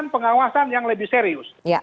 pengawasan yang lebih serius